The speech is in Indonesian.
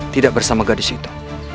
tidak bersama gadis itu